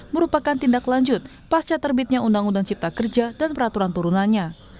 merupakan tindak lanjut pasca terbitnya undang undang cipta kerja dan peraturan turunannya